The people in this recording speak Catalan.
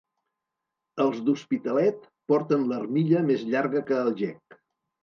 Els d'Hospitalet porten l'armilla més llarga que el gec.